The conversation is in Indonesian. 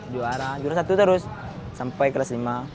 juara juara satu terus sampai kelas lima